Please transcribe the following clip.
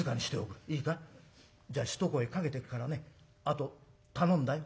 じゃあ一声かけてくからねあと頼んだよ。